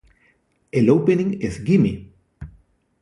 El opening es "Gimme!